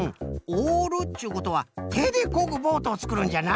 オールっちゅうことはてでこぐボートをつくるんじゃな？